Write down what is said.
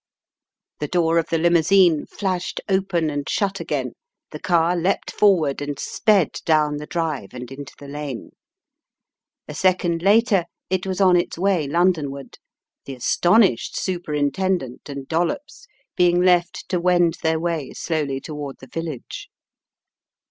The door of the limousine flashed open and shut ••. 258 The Riddle of the Purple Emperor again, the car leapt forward and sped down the drive and into the lane. A second later it was on its way Londonward, the astonished Superintendent and Dollops being left to wend their way slowly toward the village.